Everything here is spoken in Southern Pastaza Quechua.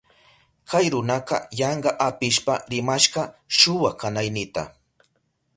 Kay runaka yanka apishpa rimashka shuwa kanaynita.